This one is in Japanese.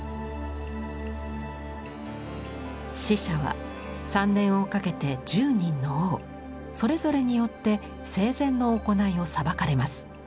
死者は３年をかけて１０人の王それぞれによって生前の行いを裁かれます。